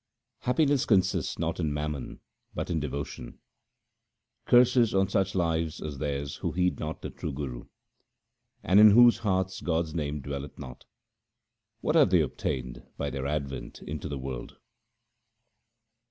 Happiness consists not in mammon but in devotion :— Curses on such lives as theirs who heed not the true Guru, And in whose hearts God's name dwelleth not ; what have they obtained by their advent into the world